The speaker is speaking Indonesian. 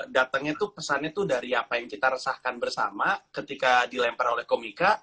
datangnya tuh pesannya tuh dari apa yang kita resahkan bersama ketika dilempar oleh komika